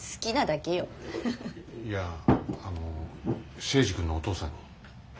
いやあの征二君のお父さんに。